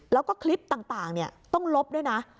แล้วก็คลิปต่างต้องลบด้วยนะ